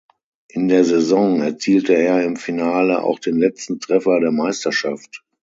In der Saison erzielte er im Finale auch den letzten Treffer der Meisterschaft.